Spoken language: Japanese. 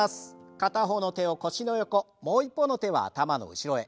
片方の手を腰の横もう一方の手は頭の後ろへ。